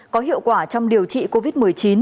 có hiệu quả trong điều trị covid một mươi chín